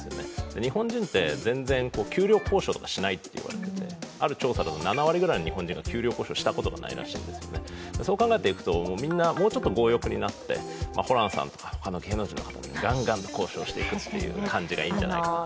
日本人って全然給料交渉とかしないと言われていて、ある調査では７割ぐらいの日本人が給料交渉をしたことないんですねそう考えていくと、みんなもうちょっと強欲になって、ホランさんとか、ほかの芸能人の方もガンガン交渉していく感じがいいんじゃないでしょうか。